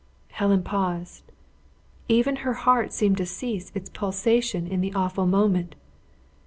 Helen paused even her heart seemed to cease its pulsation in the awful moment.